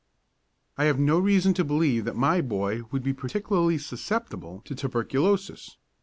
I have no reason to believe that my boy would be particularly susceptible to tuberculosis.